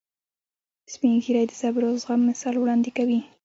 سپین ږیری د صبر او زغم مثال وړاندې کوي